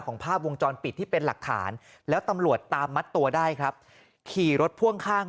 ภาพวงจรปิดที่เป็นหลักฐานแล้วตำรวจตามมัดตัวได้ครับขี่รถพ่วงข้าง